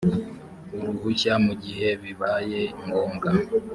uruhushya mu gihe bibaye ngombwa